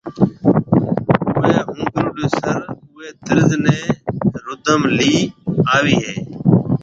اوئي ھونپروڊيوسر اوئي طرز ني رڌم لي آوي ھيَََ